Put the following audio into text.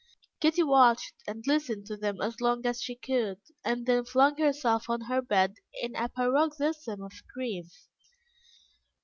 Kitty watched and listened to them as long as she could, and then flung herself on her bed in a paroxysm of grief.